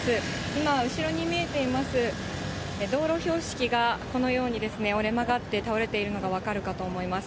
今、後ろに見えています道路標識がこのようにですね、折れ曲がって倒れているのが分かるかと思います。